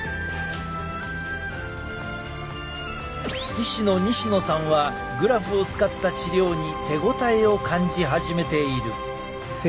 医師の西野さんはグラフを使った治療に手応えを感じ始めている。